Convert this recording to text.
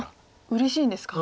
うれしいんですか。